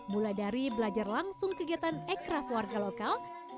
mulai dari belajar langsung kegiatan ekraf warga lokal